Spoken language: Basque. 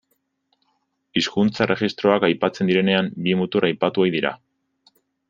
Hizkuntza-erregistroak aipatzen direnean, bi mutur aipatu ohi dira.